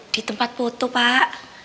di tempat foto pak